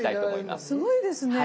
すごいですねえ。